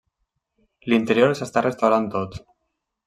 L'interior s'està restaurant tot.